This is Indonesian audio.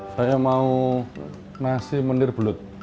saya mau nasi menir belut